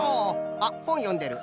あっほんよんでる。